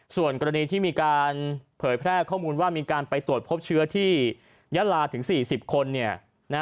ส่วนกรณีที่มีการเผยแพร่ข้อมูลว่ามีการไปตรวจพบเชื้อที่ยะลาถึง๔๐คน